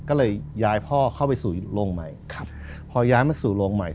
ก็เลยย้ายพ่อเข้าไปสู่โรงใหม่ครับพอย้ายมาสู่โรงใหม่